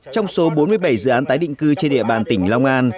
trong số bốn mươi bảy dự án tái định cư trên địa bàn tỉnh long an